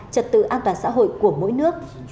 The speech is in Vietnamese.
trật tự an toàn xã hội của mỗi nước